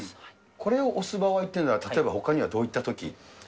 これを押す場合というのは、例えばほかにはどういったとき？